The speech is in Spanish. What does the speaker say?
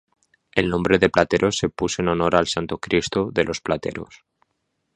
El nombre de "Plateros" se puso en honor al Santo Cristo de los Plateros.